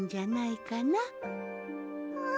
うん。